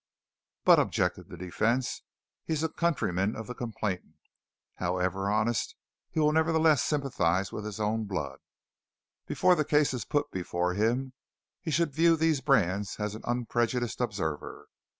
"But," objected the defence, "he is a countryman of the complainant. However honest, he will nevertheless sympathize with his own blood. Before the case is put before him, he should view these brands as an unprejudiced observer.